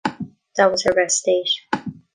That was her best state.